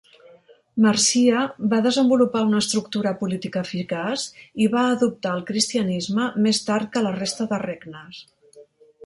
Mercia va desenvolupar una estructura política eficaç i va adoptar el cristianisme més tard que la resta de regnes.